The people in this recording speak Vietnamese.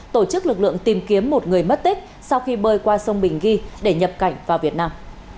tổ chức lực lượng tìm kiếm một người mất tích sau khi bơi qua sông bình ghi để nhập cảnh vào việt nam